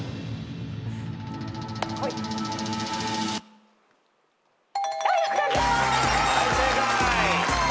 はい正解。